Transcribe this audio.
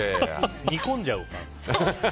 煮込んじゃうから。